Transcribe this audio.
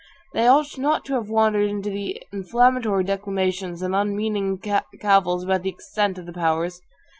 They ought not to have wandered into inflammatory declamations and unmeaning cavils about the extent of the powers.